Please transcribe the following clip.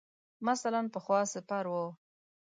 مثلاً پخوا سپر ؤ.